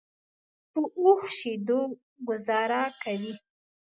په اوښ شیدو ګوزاره کوي.